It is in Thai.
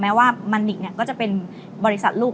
ว่ามันนิกก็จะเป็นบริษัทลูก